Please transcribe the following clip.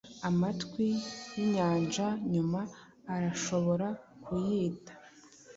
Amatwi yinyanja nyuma arashobora kuyita